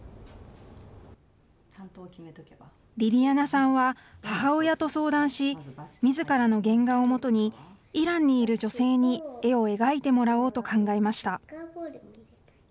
りりあなさんは母親と相談し、みずからの原画をもとに、イランにいる女性に絵を描いてもらおうと考えました。